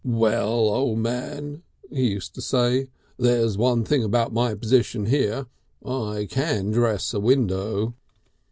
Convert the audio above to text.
"Well, O' Man," he used to say, "there's one thing about my position here, I can dress a window."